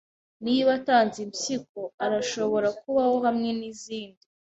Niba atanze impyiko, arashobora kubaho hamwe nizindi.